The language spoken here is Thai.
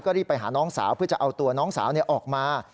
รีบไปหาน้องสาวเพื่อจะเอาตัวน้องสาวออกมา